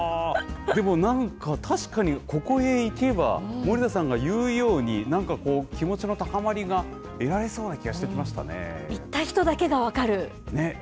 でもなんか、確かに、ここへ行けば、森田さんが言うように、なんかこう、気持ちの高まりが得られ行った人だけが分かる。